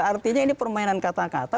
artinya ini permainan kata kata